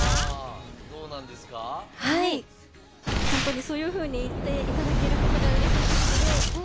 本当にそういうふうに言っていただけることがうれしいんですけど。